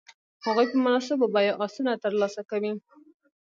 هغوی په مناسبو بیو آسونه تر لاسه کوي.